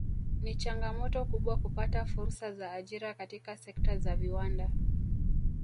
Ni changamoto kubwa kupata fursa za ajira katika sekta za viwanda